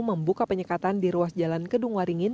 membuka penyekatan di ruas jalan kedung waringin